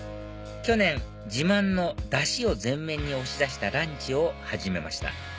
去年自慢のダシを前面に押し出したランチを始めました